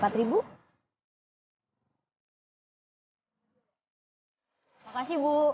terima kasih bu